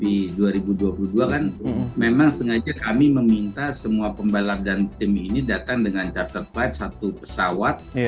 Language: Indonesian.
di dua ribu dua puluh dua kan memang sengaja kami meminta semua pembalap dan tim ini datang dengan chartervied satu pesawat